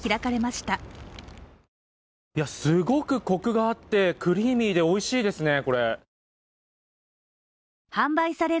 すごくコクがあって、クリーミーでおいしいですね、これ。